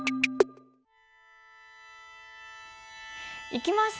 いきます！